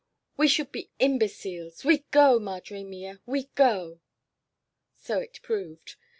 We should be imbeciles. We go, madre mia, we go!" So it proved.